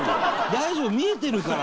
大丈夫見えてるから。